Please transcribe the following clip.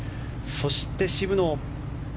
そして渋野。